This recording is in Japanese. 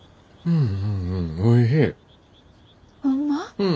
うん。